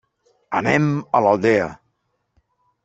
Anem a l'Aldea.